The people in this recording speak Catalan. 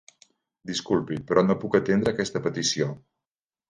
Disculpi, però no puc atendre aquesta petició.